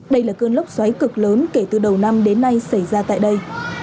đây là cơn lốc xoáy cực lớn kể từ đầu năm đến nay xảy ra tại đây